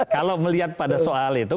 kalau melihat pada soal itu